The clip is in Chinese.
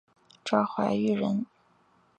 赵怀玉人。